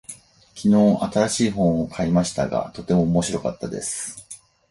昨日、新しい本を買いましたが、とても面白かったです。